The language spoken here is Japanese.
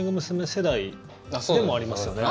世代でもありますよね。